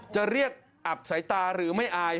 จะเรียกอับสายตาหรือไม่อาย